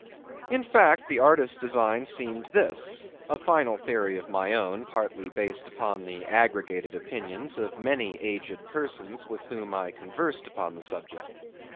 In fact, the artist's design seemed this: a final theory of my own, partly based upon the aggregated opinions of many aged persons with whom I conversed upon the subject.